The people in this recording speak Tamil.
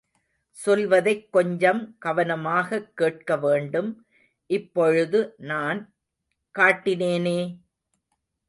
சொல்வதைக் கொஞ்சம் கவனமாகக் கேட்கவேண்டும் இப்பொழுது நான் காட்டினேனே!